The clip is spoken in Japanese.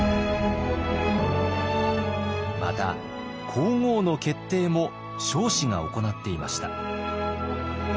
また皇后の決定も彰子が行っていました。